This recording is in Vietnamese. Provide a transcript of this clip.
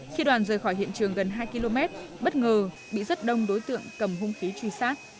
khi đoàn rời khỏi hiện trường gần hai km bất ngờ bị rất đông đối tượng cầm hung khí truy sát